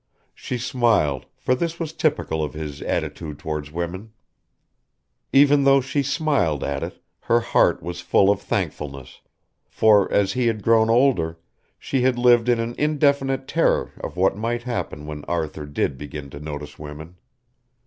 She smiled, for this was typical of his attitude towards women. Even though she smiled at it her heart was full of thankfulness, for, as he had grown older, she had lived in an indefinite terror of what might happen when Arthur did begin to notice women.